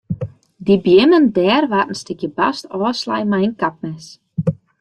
Dy beammen dêr waard in stikje bast ôfslein mei in kapmes.